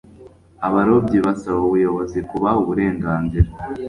abarobyi basaba ubuyobozi kubaha uburenganzira